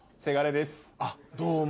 あっどうも。